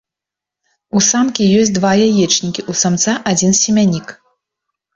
У самкі ёсць два яечнікі, у самца адзін семяннік.